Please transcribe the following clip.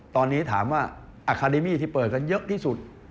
ตอนนี้ถามว่าอาคาเดมี่ที่เปิดกันเยอะที่สุด